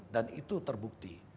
dan itu terbukti